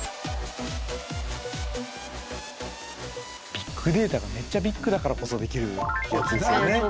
ビッグデータがめっちゃビッグだからこそできるやつですよね。